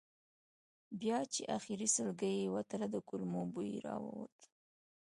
بیا چې آخري سلګۍ یې وتله د کولمو بوی یې راووت.